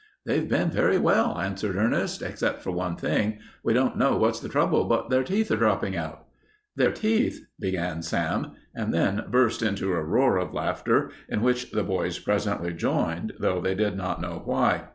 "They've been very well," answered Ernest, "except for one thing. We don't know what's the trouble, but their teeth are dropping out." "Their teeth " began Sam, and then burst into a roar of laughter, in which the boys presently joined, though they did not know why.